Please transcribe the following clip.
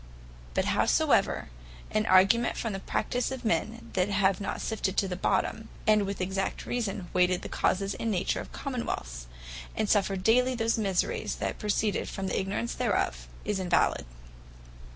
But howsoever, an argument for the Practise of men, that have not sifted to the bottom, and with exact reason weighed the causes, and nature of Common wealths, and suffer daily those miseries, that proceed from the ignorance thereof, is invalid.